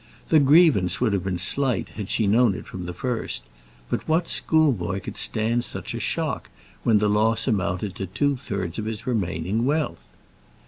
The grievance would have been slight had she known it from the first; but what schoolboy could stand such a shock, when the loss amounted to two thirds of his remaining wealth?